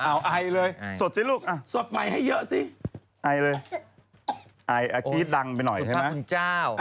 อาคี๊ดดังไปหน่อยใช่ไหมอาคี๊ดดังไปหน่อยใช่ไหมพระคุณเจ้า